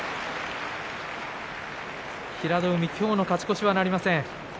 平戸海、今日の勝ち越しはなりません。